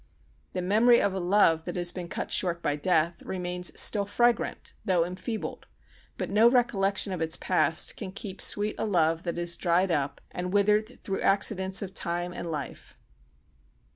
The memory of a love that has been cut short by death remains still fragrant though enfeebled, but no recollection of its past can keep sweet a love that has dried up and withered through accidents of time and life.